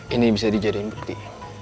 ini bisa dijadikan bukti